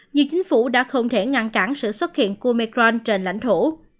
nhiều chính phủ đã không thể ngăn cản sự xuất hiện của mecron trên lãnh thổ